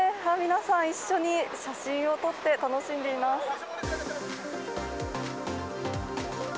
皆さん一緒に写真を撮って楽しんでいます。